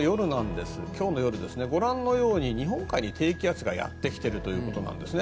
今日の夜ですがご覧のように日本海に低気圧がやってきているということなんですね。